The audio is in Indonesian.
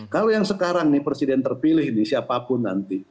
kalau yang sekarang nih presiden terpilih ini siapapun nanti